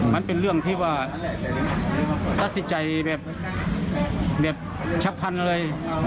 มันเป็นเรื่องที่ว่าตัดสินใจแบบชับพันเลย